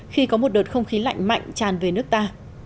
khi có một đợt không khí lạnh mạnh tràn về nước ta